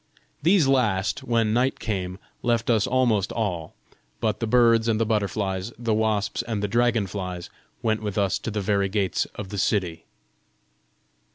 These last, when night came, left us almost all; but the birds and the butterflies, the wasps and the dragon flies, went with us to the very gates of the city.